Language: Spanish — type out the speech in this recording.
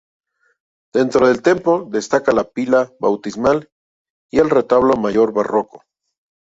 Dentro del templo destaca la pila bautismal y el retablo mayor barroco.